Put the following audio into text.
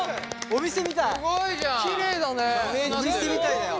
お店みたいだよ。